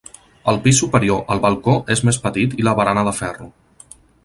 Al pis superior el balcó és més petit i la barana de ferro.